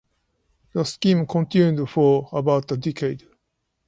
The scheme continued for about a decade.